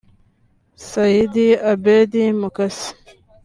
Saidi Abed Makasi